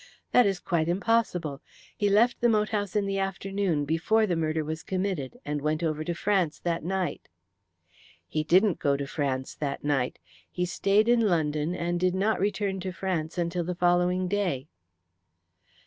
"That is quite impossible. He left the moat house in the afternoon before the murder was committed, and went over to France that night." "He didn't go to France that night. He stayed in London, and did not return to France until the following day."